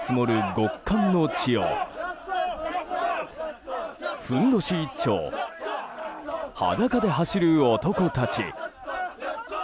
極寒の地をふんどし一丁裸で走る男たち。